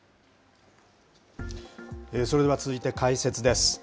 それでは、続いて解説です。